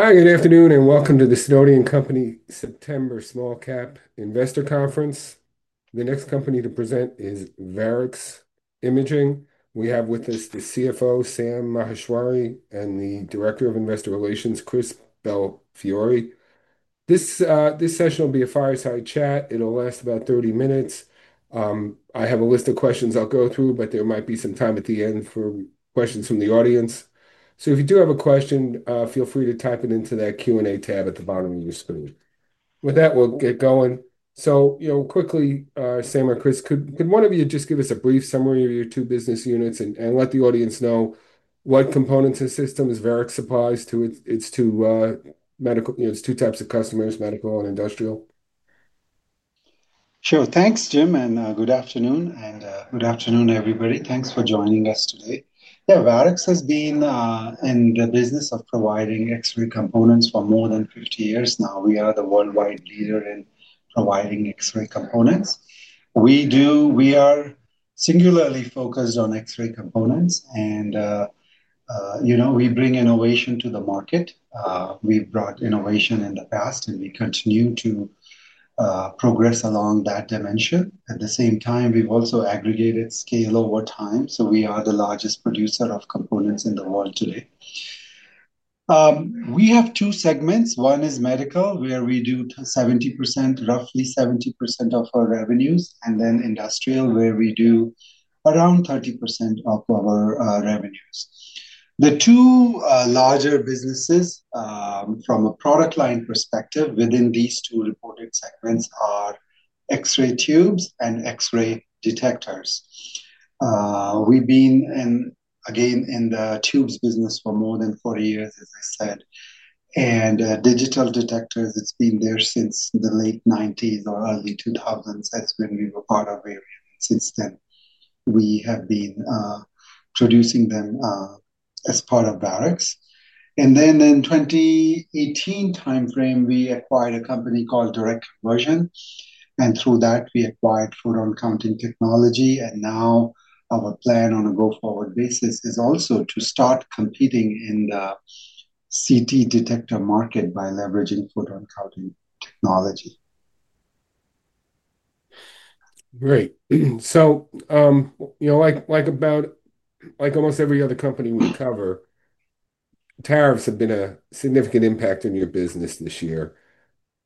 Hi, good afternoon, and welcome to the Snowden & Company September Small Cap Investor Conference. The next company to present is Varex Imaging. We have with us the CFO, Sam Maheshwari, and the Director of Investor Relations, Chris Belfiore. This session will be a fireside chat. It'll last about 30 minutes. I have a list of questions I'll go through, but there might be some time at the end for questions from the audience. If you do have a question, feel free to type it into that Q&A tab at the bottom of your screen. With that, we'll get going. Quickly, Sam or Chris, could one of you just give us a brief summary of your two business units and let the audience know what components and systems Varex supplies to its two types of customers: medical and industrial? Sure. Thanks, Jim, and good afternoon, and good afternoon, everybody. Thanks for joining us today. Varex has been in the business of providing X-ray components for more than 50 years now. We are the worldwide leader in providing X-ray components. We are singularly focused on X-ray components, and, you know, we bring innovation to the market. We've brought innovation in the past, and we continue to progress along that dimension. At the same time, we've also aggregated scale over time, so we are the largest producer of components in the world today. We have two segments. One is medical, where we do roughly 70% of our revenues, and then industrial, where we do around 30% of our revenue. The two larger businesses from a product line perspective within these two reported segments are X-ray tubes and X-ray detectors. We've been in the tubes business for more than 40 years, as I said, and digital detectors have been there since the late 1990s or early 2000s. X-rays have been a part of it since then. We have been producing them as part of Varex. In the 2018 timeframe, we acquired a company called Direct Conversion, and through that, we acquired photon counting technology. Now our plan on a go-forward basis is also to start competing in the CT detector market by leveraging photon counting technology. Great. Like almost every other company we cover, tariffs have been a significant impact on your business this year.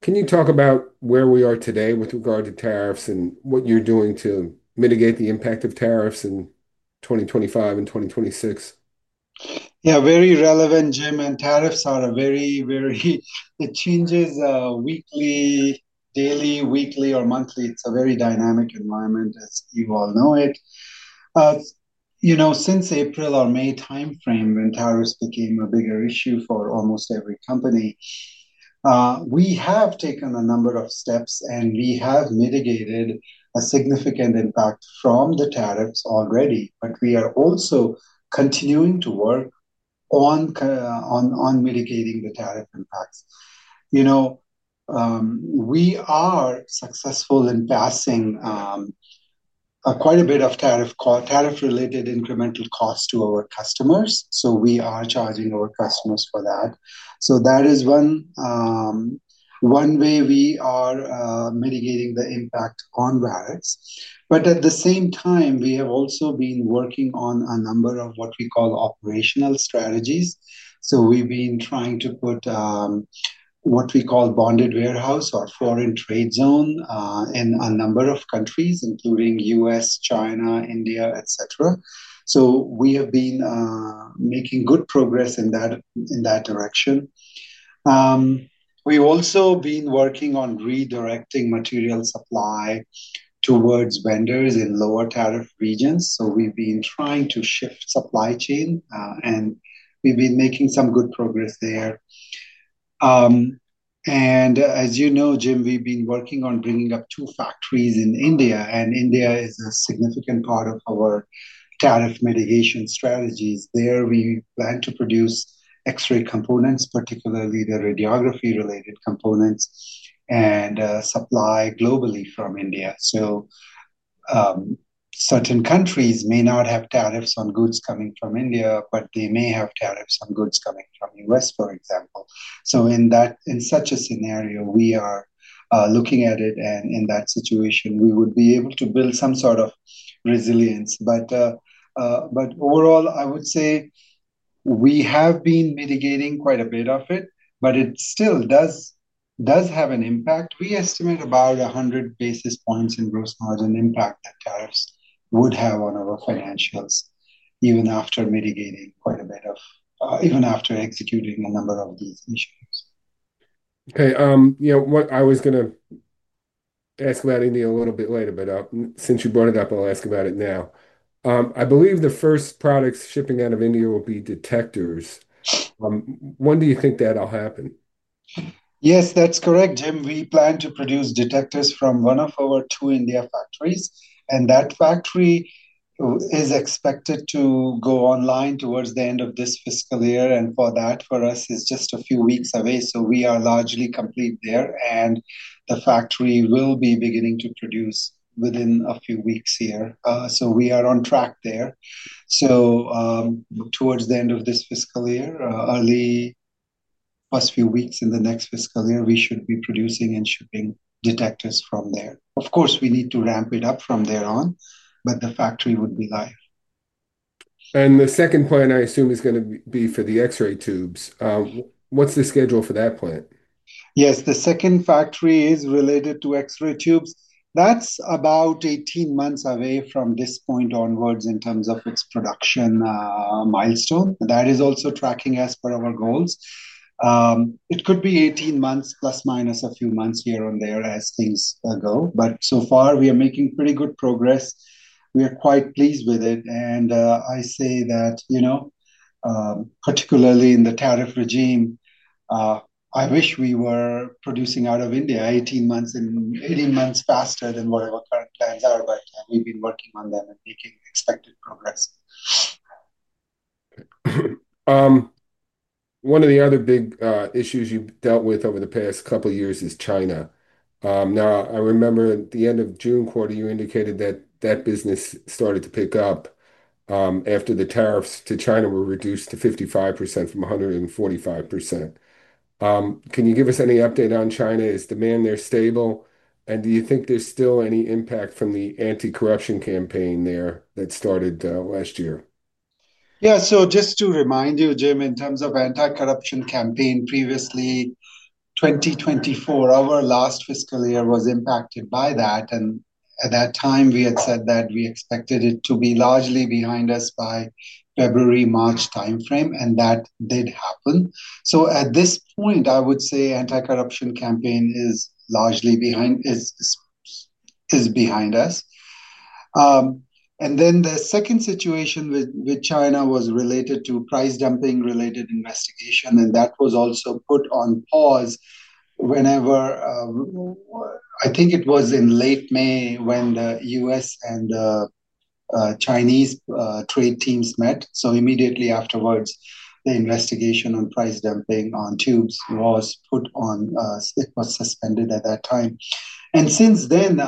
Can you talk about where we are today with regard to tariffs and what you're doing to mitigate the impact of tariffs in 2025 and 2026? Yeah, very relevant, Jim, and tariffs are very, very, it changes weekly, daily, weekly, or monthly. It's a very dynamic environment, as you all know it. Since April or May timeframe, when tariffs became a bigger issue for almost every company, we have taken a number of steps, and we have mitigated a significant impact from the tariffs already. We are also continuing to work on mitigating the tariff impacts. We are successful in passing quite a bit of tariff-related incremental costs to our customers. We are charging our customers for that. That is one way we are mitigating the impact on Varex. At the same time, we have also been working on a number of what we call operational strategies. We have been trying to put what we call bonded warehouse or foreign trade zone in a number of countries, including U.S., China, India, etc. We have been making good progress in that direction. We've also been working on redirecting material supply towards vendors in lower tariff regions. We have been trying to shift supply chain, and we've been making some good progress there. As you know, Jim, we've been working on bringing up two factories in India, and India is a significant part of our tariff mitigation strategies. There we plan to produce X-ray components, particularly the radiography-related components, and supply globally from India. Certain countries may not have tariffs on goods coming from India, but they may have tariffs on goods coming from the U.S., for example. In such a scenario, we are looking at it, and in that situation, we would be able to build some sort of resilience. Overall, I would say we have been mitigating quite a bit of it, but it still does have an impact. We estimate about 100 basis points in gross margin impact that tariffs would have on our financials, even after mitigating quite a bit of, even after executing a number of these issues. Okay. You know what, I was going to ask about India a little bit later, but since you brought it up, I'll ask about it now. I believe the first products shipping out of India will be detectors. When do you think that'll happen? Yes, that's correct. We plan to produce detectors from one of our two India factories, and that factory is expected to go online towards the end of this fiscal year. For us, it's just a few weeks away. We are largely complete there, and the factory will be beginning to produce within a few weeks here. We are on track there. Towards the end of this fiscal year, early, first few weeks in the next fiscal year, we should be producing and shipping detectors from there. Of course, we need to ramp it up from there on, but the factory would be live. The second point I assume is going to be for the X-ray tubes. What's the schedule for that plant? Yes, the second factory is related to X-ray tubes. That's about 18 months away from this point onwards in terms of its production milestone. That is also tracking us for our goals. It could be 18 months, plus minus a few months here and there as things go. We are making pretty good progress. We are quite pleased with it. I say that, you know, particularly in the tariff regime, I wish we were producing out of India 18 months, 18 months faster than what we've been working on that and making productive progress. One of the other big issues you've dealt with over the past couple of years is China. I remember at the end of June quarter, you indicated that that business started to pick up after the tariffs to China were reduced to 55% from 145%. Can you give us any update on China? Is demand there stable? Do you think there's still any impact from the anti-corruption campaign there that started last year? Yeah, just to remind you, Jim, in terms of anti-corruption campaign, previously, 2024, our last fiscal year was impacted by that. At that time, we had said that we expected it to be largely behind us by February-March timeframe, and that did happen. At this point, I would say anti-corruption campaign is largely behind us. The second situation with China was related to price dumping-related investigation, and that was also put on pause, I think it was in late May, when the U.S. and the Chinese trade teams met. Immediately afterwards, the investigation on price dumping on tubes was suspended at that time. Since then,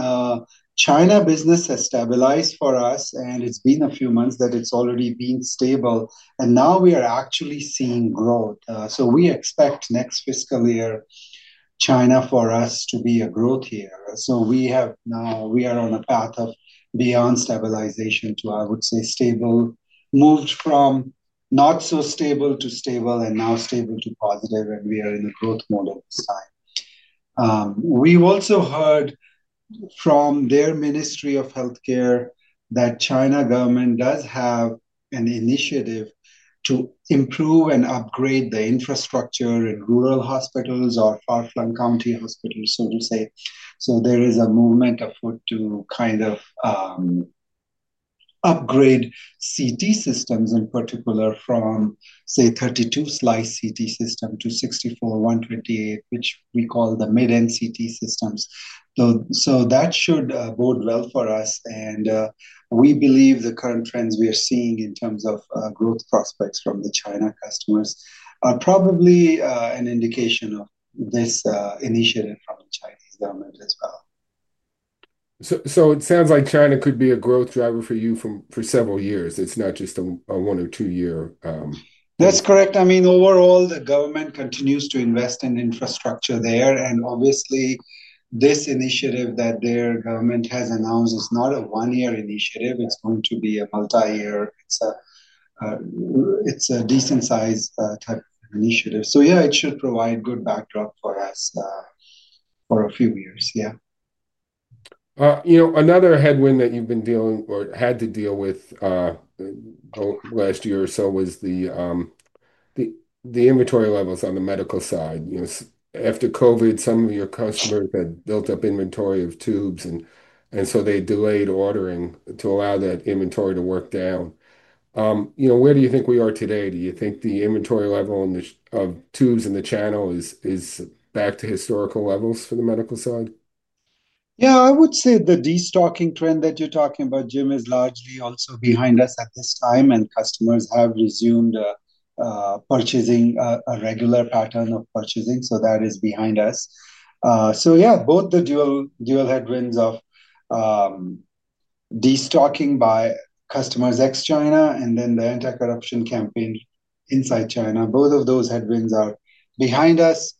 China business has stabilized for us, and it's been a few months that it's already been stable. Now we are actually seeing growth. We expect next fiscal year China for us to be a growth year. We are on a path of beyond stabilization to, I would say, stable, moved from not so stable to stable and now stable to positive, and we are in a growth mode at this time. We've also heard from their Ministry of Healthcare that China government does have an initiative to improve and upgrade the infrastructure in rural hospitals or far-flung county hospitals, so to say. There is a movement to kind of upgrade CT systems, in particular from, say, 32-slice CT system to 64-128, which we call the mid-end CT systems. That should bode well for us. We believe the current trends we are seeing in terms of growth prospects from the China customers are probably an indication of this initiative. It sounds like China could be a growth driver for you for several years. It's not just a one or two-year. That's correct. I mean, overall, the government continues to invest in infrastructure there. Obviously, this initiative that their government has announced is not a one-year initiative. It's going to be multi-year. It's a decent size type of initiative. It should provide good backdrop for us for a few years. You know, another headwind that you've been dealing with or had to deal with the last year or so was the inventory levels on the medical side. After COVID, some of your customers had built up inventory of tubes, and so they delayed ordering to allow that inventory to work down. Where do you think we are today? Do you think the inventory level of tubes in the channel is back to historical levels for the medical side? Yeah, I would say the destocking trend that you're talking about, Jim, is largely also behind us at this time, and customers have resumed a regular pattern of purchasing. That is behind us. Both the dual headwinds of destocking by customers ex-China and then the anti-corruption campaign inside China, both of those headwinds are behind us.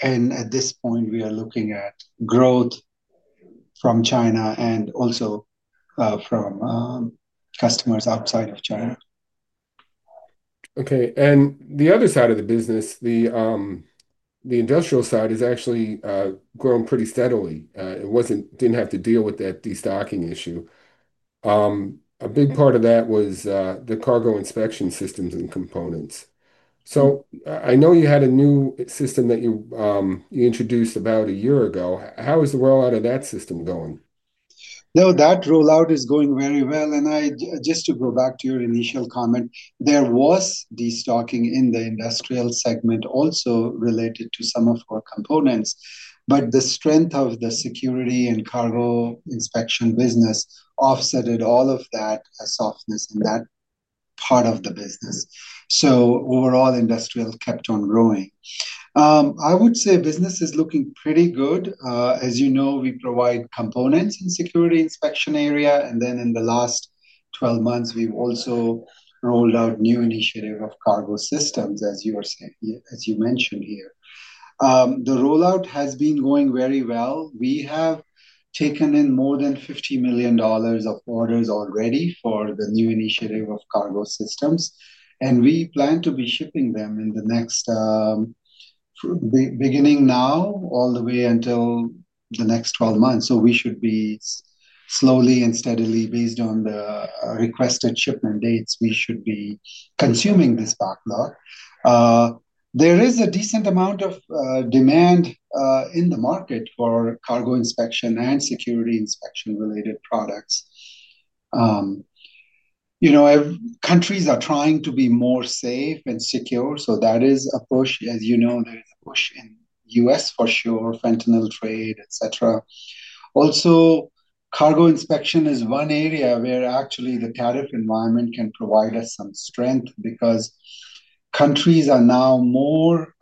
At this point, we are looking at growth from China and also from customers outside of China. Okay. The other side of the business, the industrial side, has actually grown pretty steadily. It didn't have to deal with that destocking issue. A big part of that was the cargo inspection systems and components. I know you had a new system that you introduced about a year ago. How is the rollout of that system going? No, that rollout is going very well. Just to go back to your initial comment, there was destocking in the industrial segment also related to some of our components. The strength of the security and cargo inspection business offset all of that softness in that part of the business. Overall, industrial kept on growing. I would say business is looking pretty good. As you know, we provide components in the security inspection area. In the last 12 months, we've also rolled out a new initiative of cargo systems, as you mentioned here. The rollout has been going very well. We have taken in more than $50 million of orders already for the new initiative of cargo systems, and we plan to be shipping them beginning now all the way until the next 12 months. We should be slowly and steadily, based on the requested shipment dates, consuming this backlog. There is a decent amount of demand in the market for cargo inspection and security inspection-related products. Countries are trying to be more safe and secure, so that is a push. As you know, there is a push in the U.S. for sure, fentanyl trade, etc. Cargo inspection is one area where actually the tariff environment can provide us some strength because countries are now more,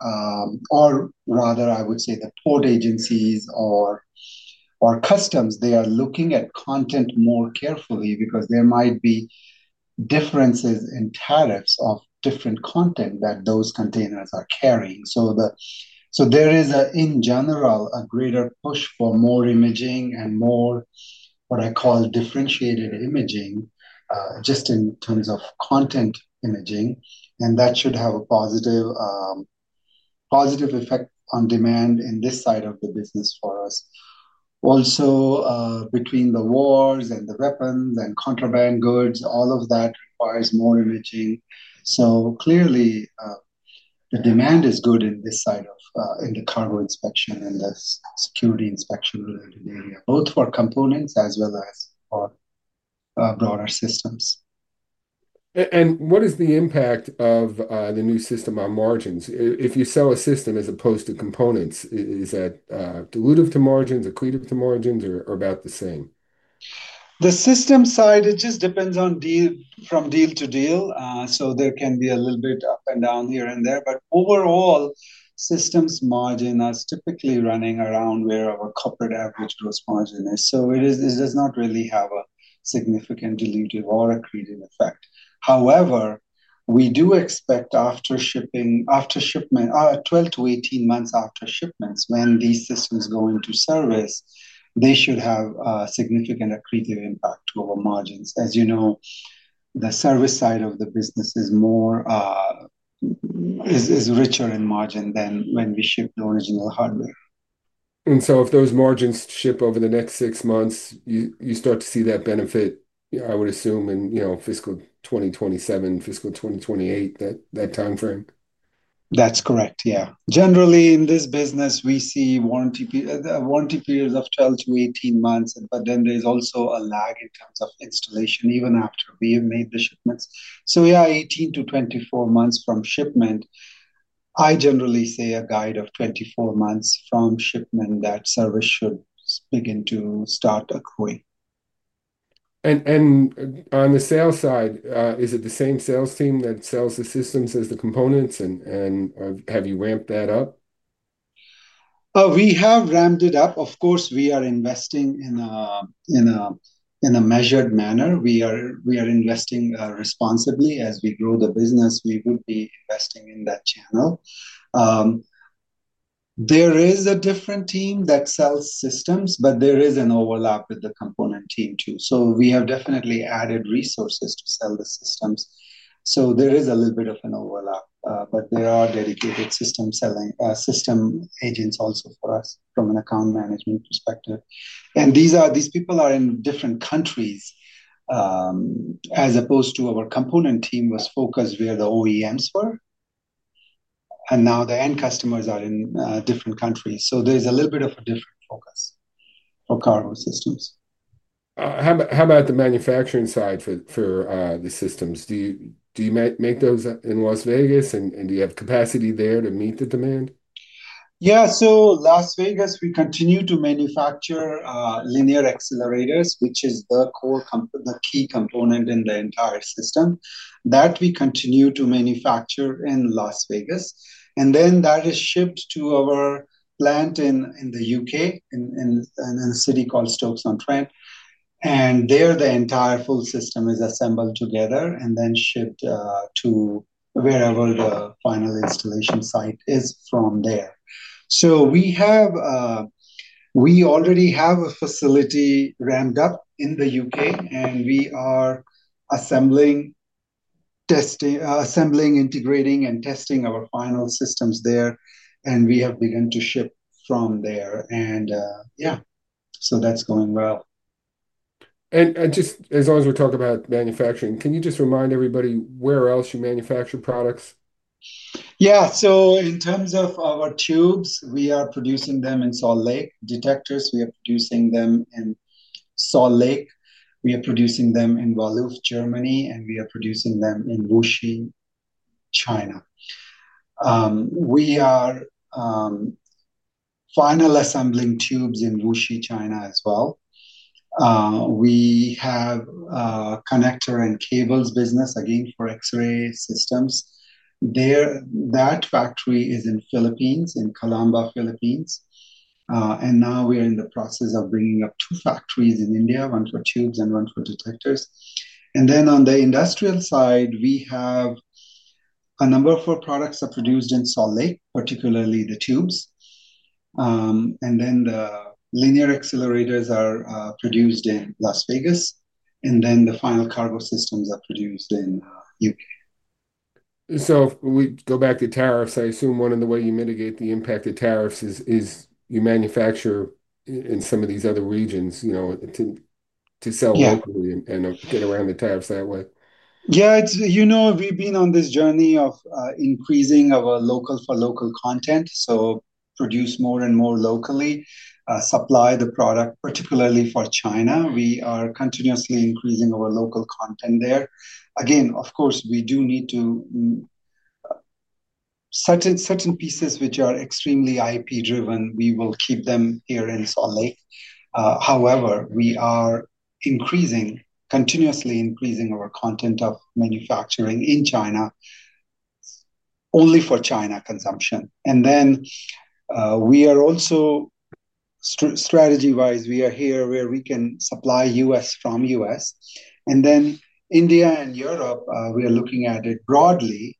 or rather, I would say the port agencies or customs, they are looking at content more carefully because there might be differences in tariffs of different content that those containers are carrying. In general, there is a greater push for more imaging and more, what I call differentiated imaging, just in terms of content imaging. That should have a positive effect on demand in this side of the business for us. Also, between the wars and the weapons and contraband goods, all of that requires more imaging. Clearly, the demand is good in this side of the cargo inspection and the security inspection area, both for components as well as for broader systems. What is the impact of the new system on margins? If you sell a system as opposed to components, is that dilutive to margins, accretive to margins, or about the same? The system side, it just depends on deal from deal to deal. There can be a little bit up and down here and there. Overall, systems margin are typically running around where our corporate average gross margin is. It does not really have a significant dilutive or accretive effect. However, we do expect after shipment, 12 to 18 months after shipments, when these systems go into service, they should have a significant accretive impact over margins. As you know, the service side of the business is more, is richer in margin than when we ship the original hardware. If those margins ship over the next six months, you start to see that benefit, I would assume, in fiscal 2027, fiscal 2028, that timeframe. That's correct, yeah. Generally, in this business, we see warranty periods of 12 to 18 months, but then there's also a lag in terms of installation even after we have made the shipments. Yeah, 18 to 24 months from shipment, I generally say a guide of 24 months from shipment, that service should begin to start accruing. Is it the same sales team that sells the systems as the components, and have you ramped that up? We have ramped it up. Of course, we are investing in a measured manner. We are investing responsibly. As we grow the business, we would be investing in that channel. There is a different team that sells systems, but there is an overlap with the component team too. We have definitely added resources to sell the systems, so there is a little bit of an overlap, but there are dedicated system selling system agents also for us from an account management perspective. These people are in different countries as opposed to our component team, which was focused where the OEMs were, and now the end customers are in different countries. There is a little bit of a different focus for cargo systems. How about the manufacturing side for the systems? Do you make those in Las Vegas, and do you have capacity there to meet the demand? Yeah, so Las Vegas, we continue to manufacture linear accelerators, which is the core key component in the entire system. We continue to manufacture that in Las Vegas, and then that is shipped to our plant in the UK in a city called Stoke-on-Trent. There, the entire full system is assembled together and then shipped to wherever the final installation site is from there. We already have a facility ramped up in the UK, and we are assembling, integrating, and testing our final systems there. We have begun to ship from there, and yeah, that's going well. As long as we talk about manufacturing, can you just remind everybody where else you manufacture products? Yeah, so in terms of our tubes, we are producing them in Salt Lake. Detectors, we are producing them in Salt Lake. We are producing them in Walluf, Germany, and we are producing them in Wuxi, China. We are final assembling tubes in Wuxi, China as well. We have a connector and cables business again for X-ray systems. That factory is in Calamba, Philippines. Now we are in the process of bringing up two factories in India, one for tubes and one for detectors. On the industrial side, we have a number of our products produced in Salt Lake, particularly the tubes. The linear accelerators are produced in Las Vegas. The final cargo systems are produced in the UK. If we go back to tariffs, I assume one of the ways you mitigate the impact of tariffs is you manufacture in some of these other regions, you know, to sell locally and get around the tariffs that way. Yeah, you know, we've been on this journey of increasing our local-for-local content. So produce more and more locally, supply the product, particularly for China. We are continuously increasing our local content there. Of course, we do need certain pieces which are extremely IP-driven. We will keep them here in Salt Lake. However, we are continuously increasing our content of manufacturing in China, only for China consumption. We are also, strategy-wise, here where we can supply U.S. from U.S., and then India and Europe, we are looking at it broadly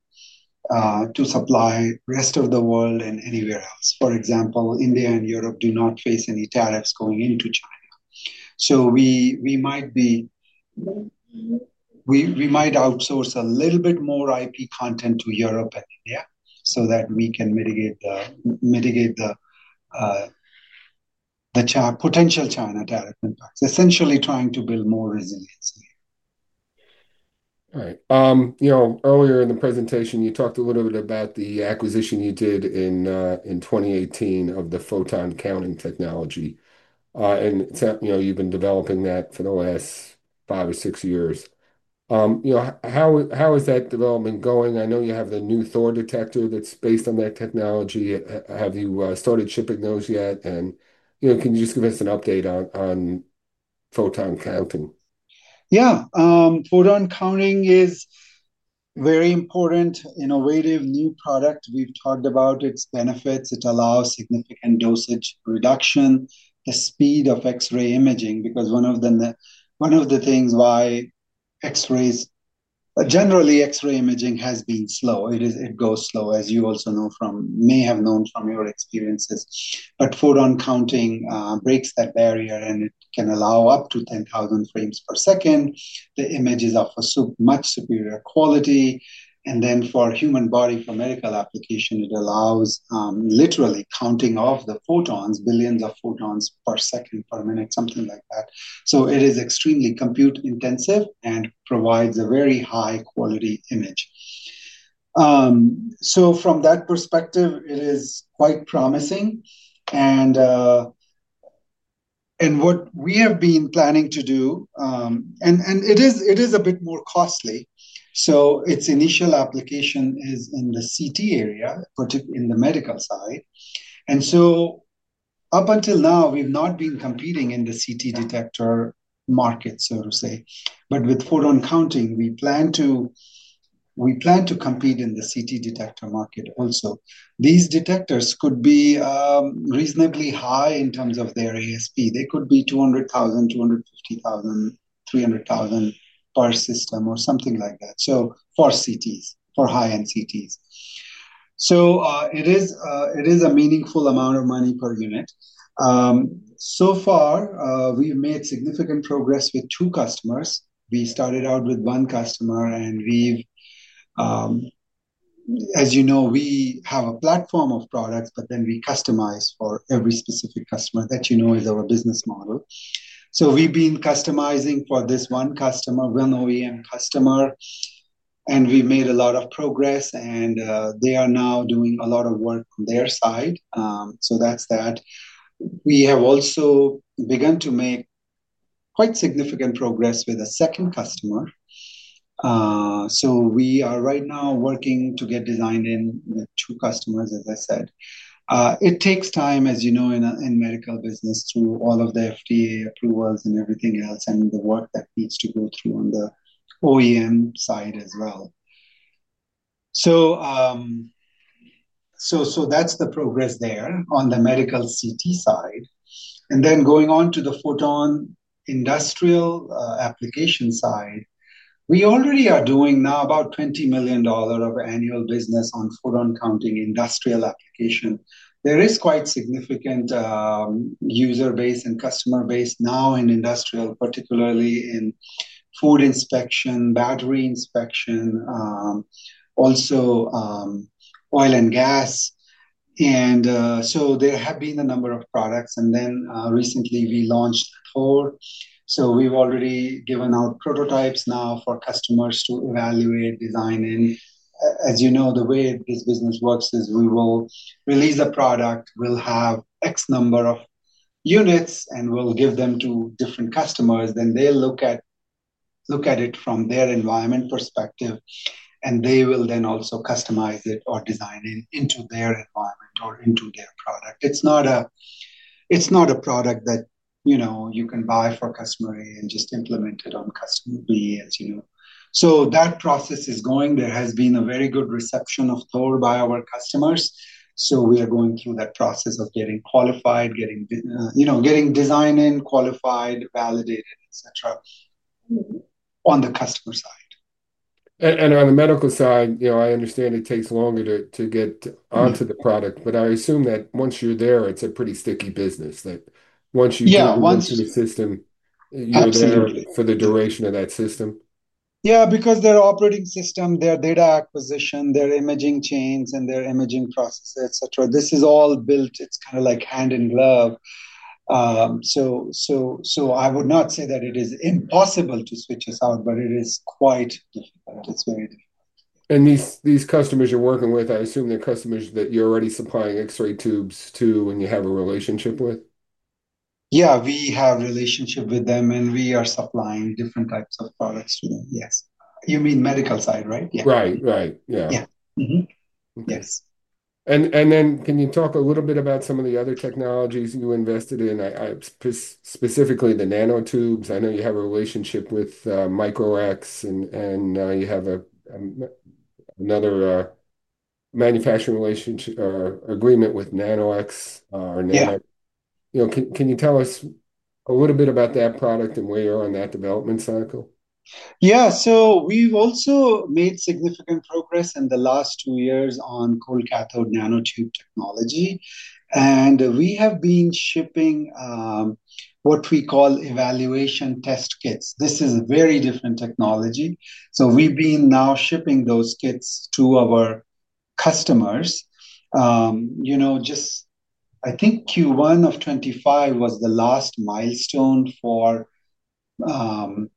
to supply the rest of the world and anywhere else. For example, India and Europe do not face any tariffs going into China. We might outsource a little bit more IP content to Europe and India so that we can mitigate the potential China tariff. Essentially trying to build more resilience. All right. Earlier in the presentation, you talked a little bit about the acquisition you did in 2018 of the photon counting technology. You've been developing that for the last five or six years. How is that development going? I know you have the new THOR detector that's based on that technology. Have you started shipping those yet? Can you just give us an update on photon counting? Yeah, photon counting is a very important, innovative new product. We've talked about its benefits. It allows significant dosage reduction, the speed of X-ray imaging, because one of the things why X-rays, generally X-ray imaging has been slow. It goes slow, as you also may have known from your experiences. Photon counting breaks that barrier and can allow up to 10,000 frames per second. The images are of a much superior quality. For a human body, for medical application, it allows literally counting off the photons, billions of photons per second, per minute, something like that. It is extremely compute-intensive and provides a very high-quality image. From that perspective, it is quite promising. What we have been planning to do, and it is a bit more costly. Its initial application is in the CT area, particularly in the medical side. Up until now, we've not been competing in the CT detector market, so to say. With photon counting, we plan to compete in the CT detector market also. These detectors could be reasonably high in terms of their ASP. They could be $200,000, $250,000, $300,000 per system or something like that for CTs, for high-end CTs. It is a meaningful amount of money per unit. So far, we've made significant progress with two customers. We started out with one customer and, as you know, we have a platform of products, but then we customize for every specific customer that you know is our business model. We've been customizing for this one customer, one OEM customer, and we've made a lot of progress. They are now doing a lot of work on their side. We have also begun to make quite significant progress with a second customer. We are right now working to get designed in the two customers, as I said. It takes time, as you know, in the medical business to all of the FDA approvals and everything else and the work that needs to go through on the OEM side as well. That's the progress there on the medical CT side. Going on to the photon industrial application side, we already are doing now about $20 million of annual business on photon counting industrial application. There is quite significant user base and customer base now in industrial, particularly in food inspection, battery inspection, also oil and gas. There have been a number of products. Recently we launched four. We've already given out prototypes now for customers to evaluate, design. As you know, the way this business works is we will release a product, we'll have X number of units, and we'll give them to different customers. They will look at it from their environment perspective, and they will then also customize it or design it into their environment or into their product. It's not a product that you can buy for customer A and just implement it on customer B, as you know. That process is going. There has been a very good reception of THOR by our customers. We are going through that process of getting qualified, getting design in, qualified, validated, etc., on the customer side. On the medical side, I understand it takes longer to get onto the product, but I assume that once you're there, it's a pretty sticky business. Once you get onto the system, you're there for the duration of that system. Yeah, because their operating system, their data acquisition, their imaging chains, and their imaging processes, etc., this is all built. It's kind of like hand-in-glove. I would not say that it is impossible to switch this out, but it is quite difficult. These customers you're working with, I assume they're customers that you're already supplying X-ray tubes to and you have a relationship with? Yeah, we have a relationship with them, and we are supplying different types of products to them. Yes, you mean medical side, right? Right, right. Yeah. Yes. Can you talk a little bit about some of the other technologies you invested in, specifically the nanotubes? I know you have a relationship with Micro-X and you have another manufacturing relationship or agreement with NanoX. Can you tell us a little bit about that product and where you are on that development cycle? Yeah, so we've also made significant progress in the last two years on cold cathode nanotube technology. We have been shipping what we call evaluation test kits. This is a very different technology. We have been now shipping those kits to our customers. I think Q1 of 2025 was the last milestone for the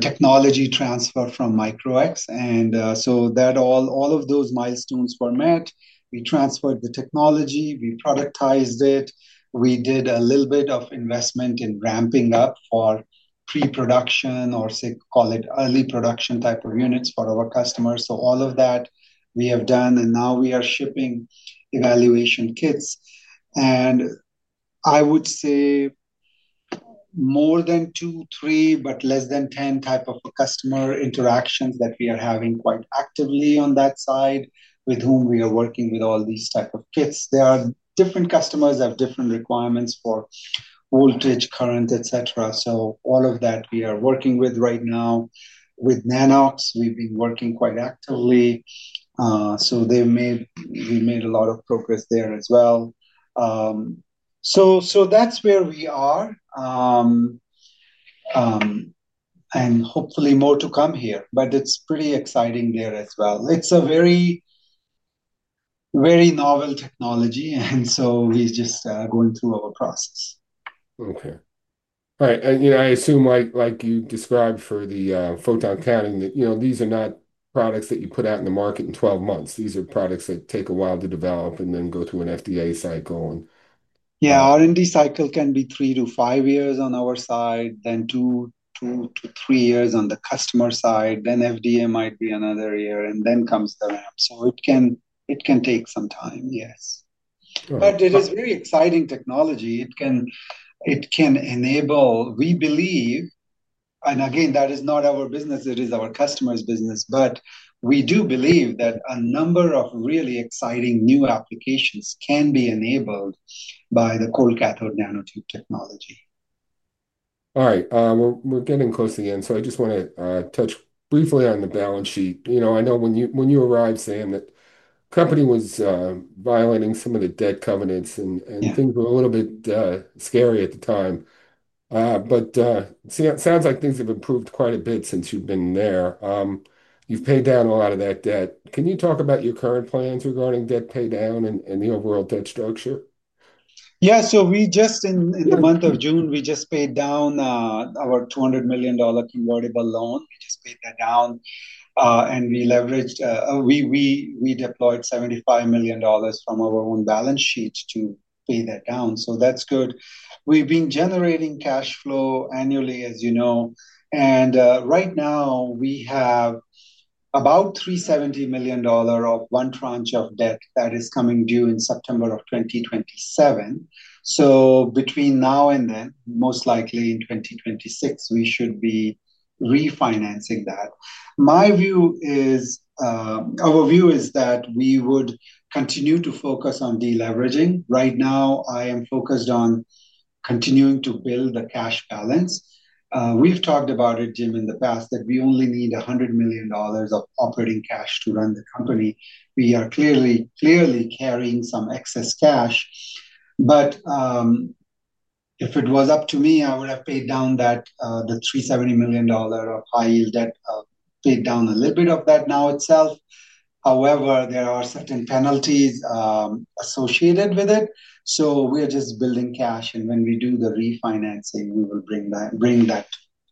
technology transfer from Micro-X. All of those milestones were met. We transferred the technology, we productized it. We did a little bit of investment in ramping up for pre-production or call it early production type of units for our customers. All of that we have done and now we are shipping evaluation kits. I would say more than two, three, but less than 10 type of customer interactions that we are having quite actively on that side with whom we are working with all these types of kits. There are different customers that have different requirements for voltage, current, etc. All of that we are working with right now. With NanoX, we've been working quite actively. We have made a lot of progress there as well. That is where we are. Hopefully more to come here, but it's pretty exciting there as well. It's a very, very novel technology. We are just going through our process. All right. I assume like you described for the photon counting, these are not products that you put out in the market in 12 months. These are products that take a while to develop and then go through an FDA cycle. Yeah, R&D cycle can be three to five years on our side, then two to three years on the customer side, then FDA might be another year. It can take some time, yes. It is a very exciting technology. It can enable, we believe, and again, that is not our business. It is our customer's business. We do believe that a number of really exciting new applications can be enabled by the cold cathode nanotube technology. All right. We're getting close to the end. I just want to touch briefly on the balance sheet. I know when you arrived, Sam, that the company was violating some of the debt covenants and things were a little bit scary at the time. It sounds like things have improved quite a bit since you've been there. You've paid down a lot of that debt. Can you talk about your current plans regarding debt paydown and the overall debt structure? Yeah, we just, in the month of June, paid down our $200 million convertible loan. We just paid that down. We deployed $75 million from our own balance sheet to pay that down. That's good. We've been generating cash flow annually, as you know. Right now, we have about $370 million of one tranche of debt that is coming due in September 2027. Between now and then, most likely in 2026, we should be refinancing that. My view is, our view is that we would continue to focus on deleveraging. Right now, I am focused on continuing to build the cash balance. We've talked about it, Jim, in the past, that we only need $100 million of operating cash to run the company. We are clearly carrying some excess cash. If it was up to me, I would have paid down that, the $370 million of high-year debt. I'd pay down a little bit of that now itself. However, there are certain penalties associated with it. We are just building cash. When we do the refinancing, we will bring that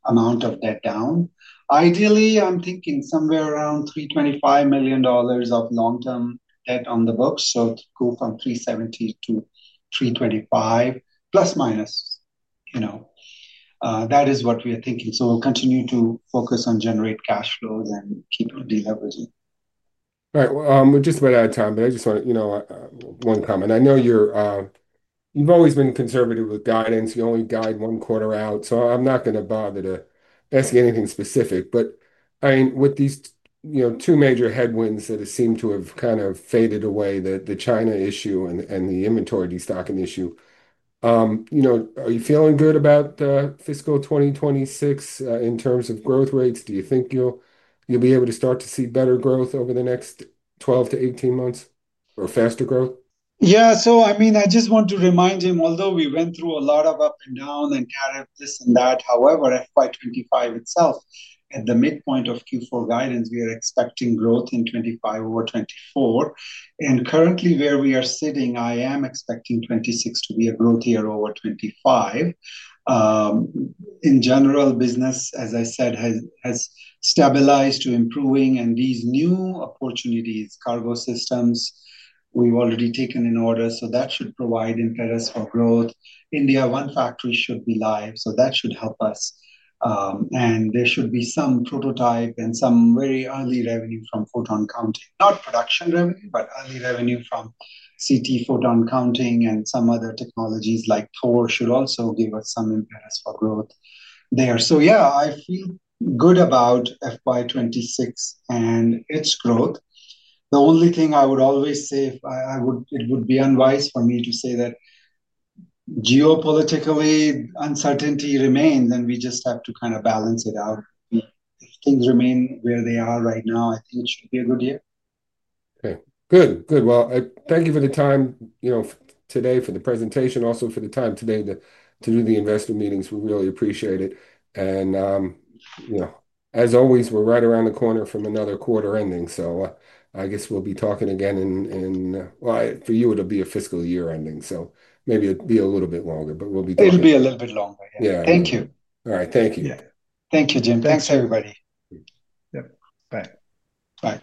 amount of debt down. Ideally, I'm thinking somewhere around $325 million of long-term debt on the books. To go from $370 to $325, plus minus, you know, that is what we are thinking. We'll continue to focus on generating cash flows and keep deleveraging. All right. We're just about out of time, but I just want to, you know, one comment. I know you've always been conservative with guidance. We only guide one quarter out. I'm not going to bother to ask you anything specific. I mean, with these two major headwinds that seem to have kind of faded away, the China issue and the inventory destocking issue, are you feeling good about fiscal 2026 in terms of growth rates? Do you think you'll be able to start to see better growth over the next 12 to 18 months or faster growth? Yeah, I just want to remind you, although we went through a lot of up and down and tariffs this and that, however, FY2025 itself, at the midpoint of Q4 guidance, we are expecting growth in 2025 over 2024. Currently where we are sitting, I am expecting 2026 to be a growth year over 2025. In general, business, as I said, has stabilized to improving. These new opportunities, cargo systems, we've already taken in order. That should provide impetus for growth. India, one factory should be live. That should help us. There should be some prototype and some very early revenue from photon counting. Not production revenue, but early revenue from CT photon counting and some other technologies like THOR should also give us some impetus for growth there. I feel good about FY2026 and its growth. The only thing I would always say, it would be unwise for me to say that geopolitically uncertainty remains, and we just have to kind of balance it out. If things remain where they are right now, I think it should be a good year. Good. Thank you for the time today for the presentation, also for the time today to do the investor meetings. We really appreciate it. As always, we're right around the corner from another quarter ending. I guess we'll be talking again. For you, it'll be a fiscal year ending, so maybe it'll be a little bit longer, but we'll be talking. It'll be a little bit longer. Thank you. All right, thank you. Yeah, thank you, Jim. Thanks, everybody. Yep. Bye. Bye.